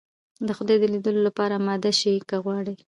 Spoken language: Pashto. د خدای د ليدلو لپاره اماده سئ که غواړئ.